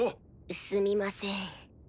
すみません。